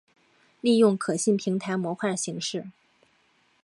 利用可信平台模块形式。